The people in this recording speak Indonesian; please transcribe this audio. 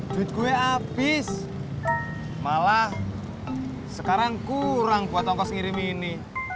duit saya habis malah sekarang kurang buat tongkos kirim ini